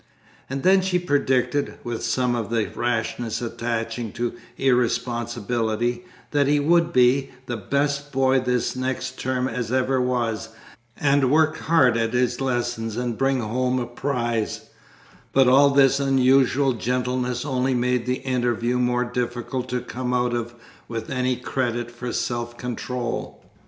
And then she predicted, with some of the rashness attaching to irresponsibility, that he would be "the best boy this next term as ever was, and work hard at all his lessons, and bring home a prize" but all this unusual gentleness only made the interview more difficult to come out of with any credit for self control.